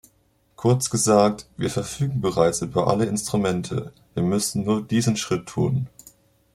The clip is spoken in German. Kurz gesagt, wir verfügen bereits über alle Instrumente, wir müssen nur diesen Schritt tun.